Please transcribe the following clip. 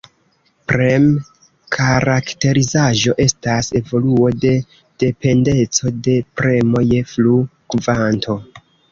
Prem-karakterizaĵo estas evoluo de dependeco de premo je flu-kvanto.